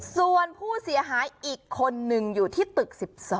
ส่วนผู้เสียหายอีกคนนึงอยู่ที่ตึก๑๒